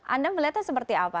anda melihatnya seperti apa